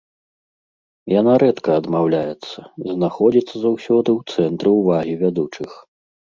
Яна рэдка адмаўляецца, знаходзіцца заўсёды ў цэнтры ўвагі вядучых.